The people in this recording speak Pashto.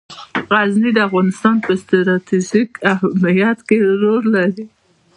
غزني د افغانستان په ستراتیژیک اهمیت کې رول لري.